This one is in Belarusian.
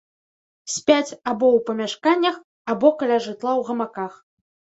Спяць або ў памяшканнях, або каля жытла ў гамаках.